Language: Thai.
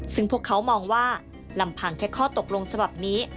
ซึ่งพวกเขามองว่าลำพังแค่ข้อตกลงฉบับนี้